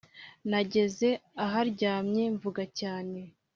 nageze aharyamye mvuga cyane